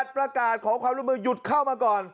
ประกาศขอความร่วมมือหยุดเข้ามาก่อน